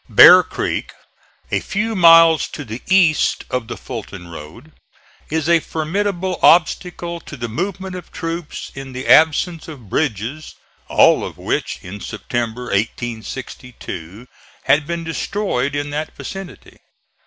Bear Creek, a few miles to the east of the Fulton road, is a formidable obstacle to the movement of troops in the absence of bridges, all of which, in September, 1862, had been destroyed in that vicinity.